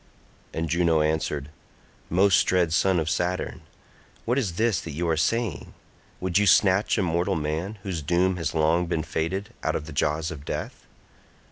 And Juno answered, "Most dread son of Saturn, what is this that you are saying? Would you snatch a mortal man, whose doom has long been fated, out of the jaws of death?